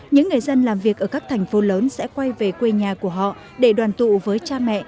những người dân làm việc ở các thành phố lớn sẽ quay về quê nhà của họ để đoàn tụ với cha mẹ